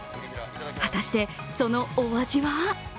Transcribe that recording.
果たして、そのお味は？